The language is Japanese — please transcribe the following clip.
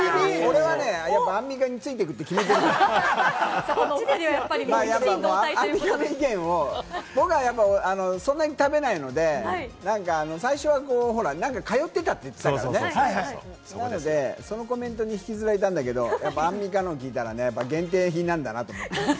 俺はアンミカについて行くって決めてるから、アンミカの意見を僕はやっぱりそんなに食べないので、最初はなんか通ってたって言ってたからね、なので、そのコメントに引きずられたんだけれども、アンミカの聞いたら限定品なんだなと思って。